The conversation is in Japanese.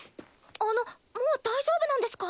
あのもう大丈夫なんですか？